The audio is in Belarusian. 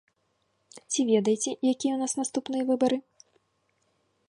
Ці ведаеце, якія ў нас наступныя выбары?